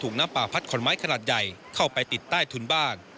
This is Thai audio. น้ำป่าพัดขอนไม้ขนาดใหญ่เข้าไปติดใต้ถุนบ้าน